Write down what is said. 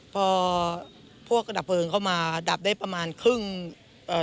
พอพวกระดับเพลิงเข้ามาดับได้ประมาณครึ่งเอ่อ